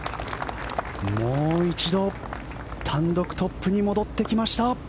もう一度単独トップに戻ってきました。